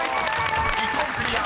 １問クリア！